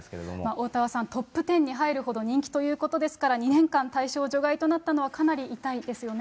おおたわさん、トップ１０に入るほど人気ということですから、２年間対象除外となったのは、かなり痛いですよね。